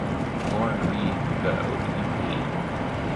Lauren Reed, though, you hate.